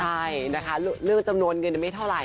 ใช่นะคะเรื่องจำนวนเงินไม่เท่าไห